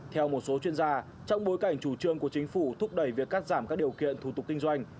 theo một số chuyên gia trong bối cảnh chủ trương của chính phủ thúc đẩy việc cắt giảm các điều kiện thủ tục kinh doanh